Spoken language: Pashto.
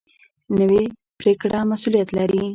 نوې پرېکړه مسؤلیت لري